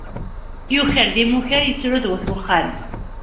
Yuker d imukar, ittru d wat uxxam.